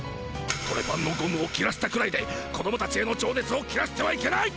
トレパンのゴムを切らしたくらいで子どもたちへのじょうねつを切らしてはいけない！